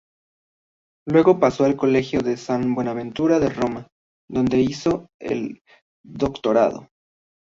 Luego pasó al Colegio de San Buenaventura de Roma, donde hizo el doctorado.